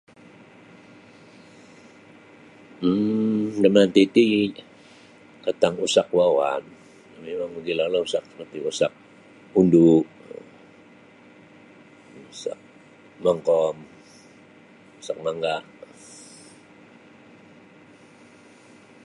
um Damanti ti katang usak uwa'-uwa'an ino iro mogilolah usak undu usak mongkom usak mangga.